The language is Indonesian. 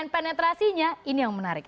penetrasinya ini yang menarik